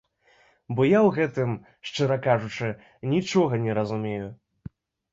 Бо я ў гэтым, шчыра кажучы, нічога не разумею.